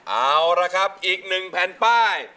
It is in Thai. เอาละครับอีก๑แผ่นป้าย